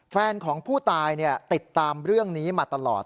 แฟนของผู้ตายติดตามเรื่องนี้มาตลอด